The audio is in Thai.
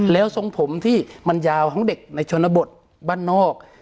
แล้วทรงผมที่มันยาวของเด็กในชนบทบ้านนอก